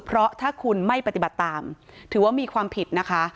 เพราะถ้าคุณไม่ปฏิบัติตามถือว่ามีความผิดนะคะ